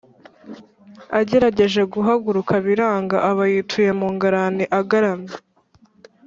agerageje guhaguruka biranga aba yituye mu ngarani agaramye.